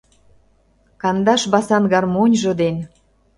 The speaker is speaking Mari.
Кандаш басан гармоньжо ден